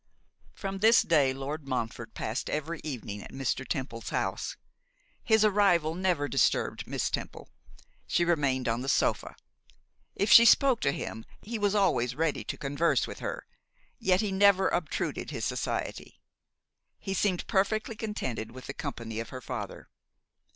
From this day Lord Montfort passed every evening at Mr. Temple's house. His arrival never disturbed Miss Temple; she remained on the sofa. If she spoke to him he was always ready to converse with her, yet he never obtruded his society. He seemed perfectly contented with the company of her father.